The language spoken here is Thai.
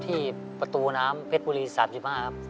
ที่ประตูน้ำเพชรบุรี๓๕ครับ